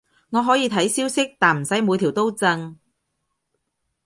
我可以睇消息，但唔使每條都震